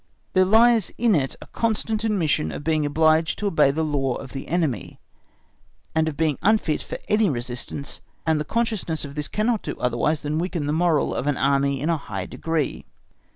There lies in it a constant admission of being obliged to obey the law of the enemy, and of being unfit for any resistance, and the consciousness of this cannot do otherwise than weaken the moral of an Army in a high degree.